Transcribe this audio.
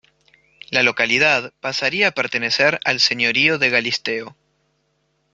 La localidad pasaría a pertenecer al Señorío de Galisteo.